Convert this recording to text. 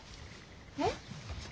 えっ？